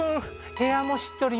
部屋もしっとり。